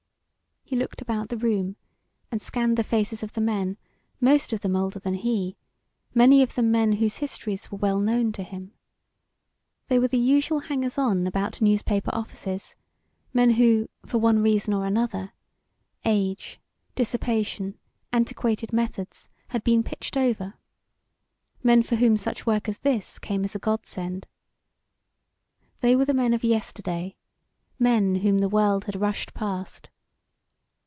He looked about the room and scanned the faces of the men, most of them older than he, many of them men whose histories were well known to him. They were the usual hangers on about newspaper offices; men who, for one reason or other age, dissipation, antiquated methods had been pitched over, men for whom such work as this came as a godsend. They were the men of yesterday men whom the world had rushed past.